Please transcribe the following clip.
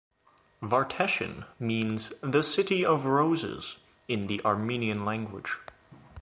Vartashen means the city of roses in the armenian language.